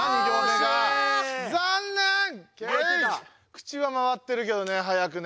口は回ってるけどね早くね。